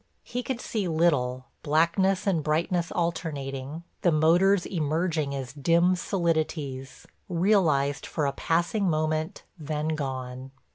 He could see little, blackness and brightness alternating, the motors emerging as dim solidities, realized for a passing moment, then gone.